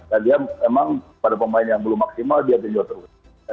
dan dia memang pada pemain yang belum maksimal dia menjauh terus